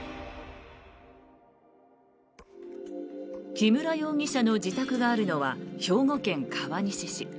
木村容疑者の自宅があるのは兵庫県川西市。